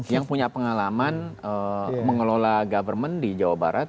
yang punya pengalaman mengelola government di jawa barat